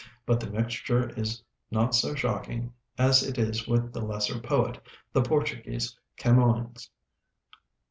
But the mixture is not so shocking as it is with the lesser poet, the Portuguese Camoens.